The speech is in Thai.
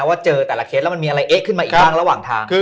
ว่าเจอแต่ละเคสแล้วมันมีอะไรเอ๊ะขึ้นมาอีกบ้างระหว่างทาง